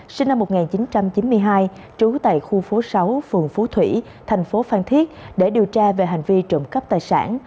sinh năm một nghìn chín trăm chín mươi hai trú tại khu phố sáu phường phú thủy thành phố phan thiết để điều tra về hành vi trộm cắp tài sản